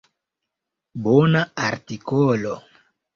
Bona artikolo.